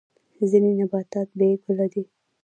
ځینې نباتات بې ګله دي